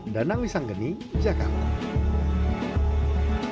semogahat berita terkini bisa di memberikan tempat pendapat di what's app